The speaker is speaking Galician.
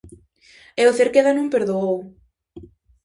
E o Cerqueda non perdoou.